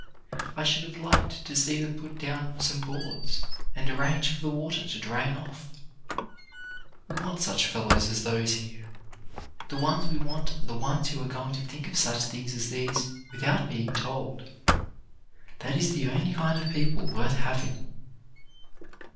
I should have liked to see them put down some boards, and arrange for the water to drain off. We want such fellows as those here. The ones we want are the ones who are going to think of such things as these without being told. That is the only kind of people worth having.